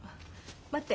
待って。